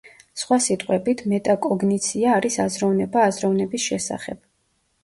სხვა სიტყვებით, მეტაკოგნიცია არის აზროვნება აზროვნების შესახებ.